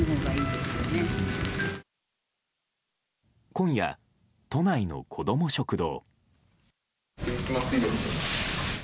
今夜、都内のこども食堂。